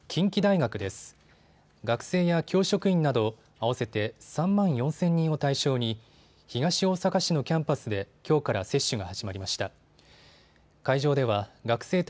学生や教職員など合わせて３万４０００人を対象に東大阪市のキャンパスできょうから接種が始まりました。